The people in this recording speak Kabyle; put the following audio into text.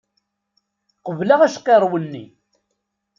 Qebleɣ acqiṛew-nni!